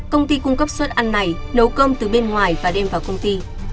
công ty cung cấp suất ăn này nấu cơm từ bên ngoài và đem vào công ty